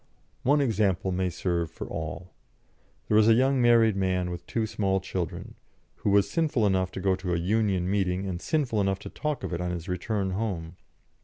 One example may serve for all. There was a young married man with two small children, who was sinful enough to go to a Union meeting and sinful enough to talk of it on his return home.